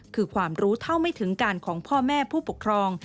คือความรู้เท่าไม่ถึงการของพ่อแม่ผู้ปกครอง